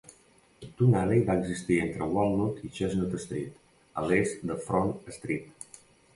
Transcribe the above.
Tun Alley va existir entre Walnut i Chestnut Street, a l'est de Front Street.